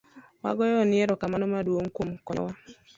Wagoyo ni erokamano maduong' kuom konyo wa